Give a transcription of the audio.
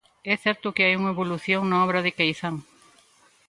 É certo que hai unha evolución na obra de Queizán.